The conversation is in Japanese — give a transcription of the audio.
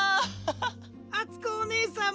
あつこおねえさんも！